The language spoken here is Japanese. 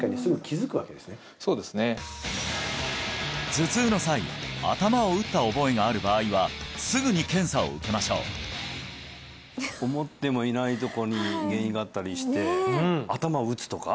頭痛の際頭を打った覚えがある場合はすぐに検査を受けましょう思ってもいないとこに原因があったりして頭を打つとか？